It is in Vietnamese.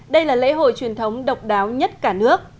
đây là lễ hội truyền thống độc đáo nhất cả nước